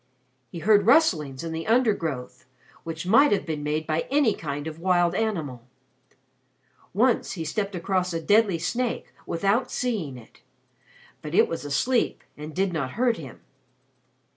He heard rustlings in the undergrowth, which might have been made by any kind of wild animal; once he stepped across a deadly snake without seeing it. But it was asleep and did not hurt him.